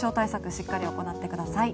しっかり行ってください。